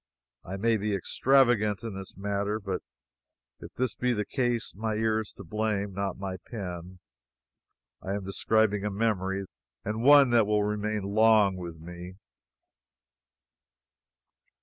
I may be extravagant in this matter, but if this be the case my ear is to blame not my pen. I am describing a memory and one that will remain long with me.